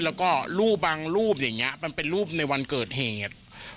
แล้วก็รูปบางรูปอย่างนี้มันเป็นรูปในวันเกิดเหตุ